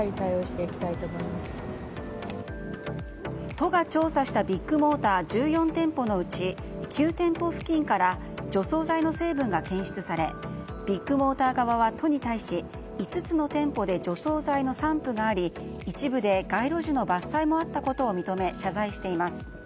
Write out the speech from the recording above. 都が調査したビッグモーター１４店舗のうち９店舗付近から除草剤の成分が検出されビッグモーター側は都に対し５つの店舗で除草剤の散布があり一部で街路樹の伐採もあったことを認め謝罪しています。